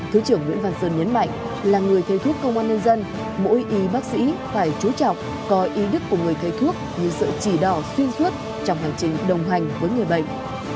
thứ trưởng nguyễn văn sơn nhấn mạnh là người thầy thuốc công an nhân dân mỗi y bác sĩ phải chú trọng có ý đức của người thầy thuốc như sự chỉ đỏ xuyên suốt trong hành trình đồng hành với người bệnh